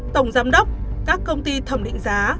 tổng giám đốc các công ty thẩm định giá